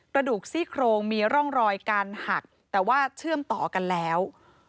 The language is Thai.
กระดูกซี่โครงมีร่องรอยการหักแต่ว่าเชื่อมต่อกันแล้ว